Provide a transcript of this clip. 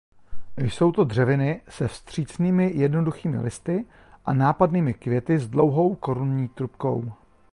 Jsou to dřeviny se vstřícnými jednoduchými listy a nápadnými květy s dlouhou korunní trubkou.